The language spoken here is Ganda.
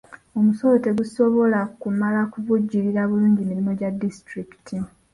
Omusolo tegusobola kumala kuvujjirira bulungi mirimu gya disitulikiti.